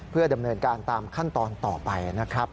เพื่อดำเนินการตามขั้นตอนต่อไปนะครับ